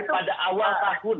pada awal tahun dua ribu dua puluh